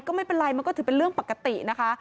ก็ไม่เป็นไรมันก็ถือเป็นเรื่องปกตินะคะ